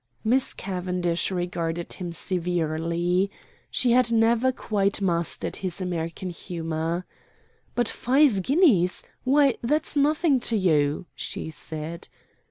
Miss Cavendish regarded him severely. She had never quite mastered his American humor. "But five guineas why that's nothing to you," she said.